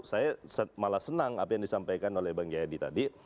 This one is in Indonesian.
saya malah senang apa yang disampaikan oleh bang jayadi tadi